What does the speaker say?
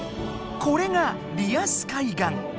これがリアス海岸！